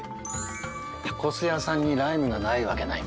タコス屋さんにライムがないわけない。